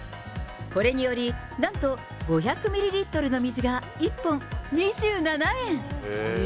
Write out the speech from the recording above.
これにより、なんと５００ミリリットルの水が１本２７円。